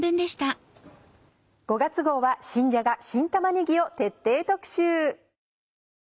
５月号は新じゃが新玉ねぎを徹底特集。